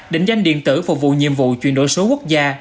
định danh điện tử phục vụ nhiệm vụ chuyển đổi số quốc gia